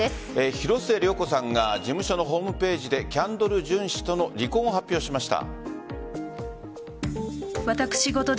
広末涼子さんが事務所のホームページでキャンドル・ジュン氏との離婚を発表しました。